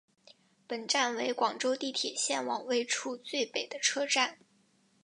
本站为广州地铁线网位处最北的车站。